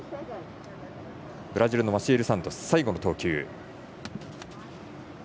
ブラジルのマシエル・サントス最後の投球。